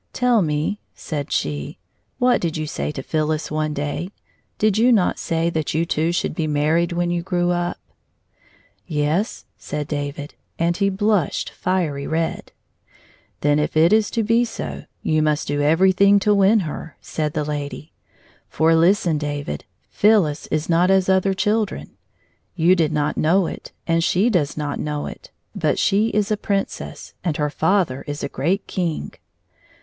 " Tell me," said she, " what did you say to Phyl lis one day? Did you not say that you two should be married when you grew up ?"" Yes," said David, and he blushed fiery red. " Then if it is to be so, you must do something to win her," said the lady. " For, listen, David, Phyllis is not as other children. You did not know it, and she does not know it ; but she is a Princess, and her father is a great King."